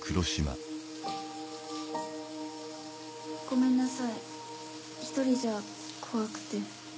ごめんなさい１人じゃ怖くて。